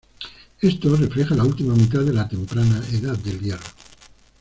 Esto refleja la última mitad de la temprana Edad del Hierro.